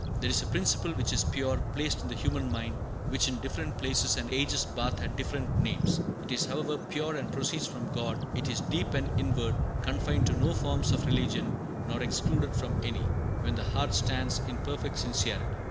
"There is a principle which is pure, placed in the human mind, which in different places and ages bath had different names; it is, however, pure, and proceeds from God. It is deep and inward, confined to no forms of religion nor excluded from any, when the heart stands in perfect sincerity.